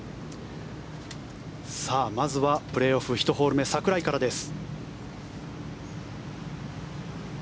まずはプレーオフ１ホール目櫻井からです。